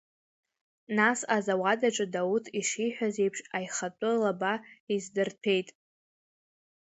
Нас азауад аҿы Дауҭ ишиҳәаз еиԥш аихатәы лаба издырҭәеит.